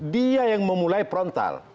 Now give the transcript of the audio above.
dia yang memulai frontal